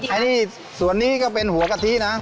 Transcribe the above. อันนี้ส่วนนี้ก็เป็นหัวกะทินะ